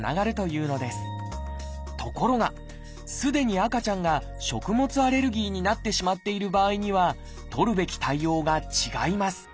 ところがすでに赤ちゃんが食物アレルギーになってしまっている場合には取るべき対応が違います